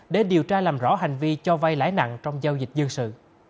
để điều tra làm rõ hành vi cho vay lãi nặng trong giao dịch dân sự